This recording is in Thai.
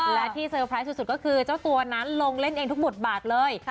และที่เซอร์ไพรส์สุดก็คือเจ้าตัวนั้นลงเล่นเองทุกบทบาทเลย